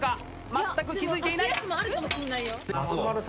まったく気付いていない。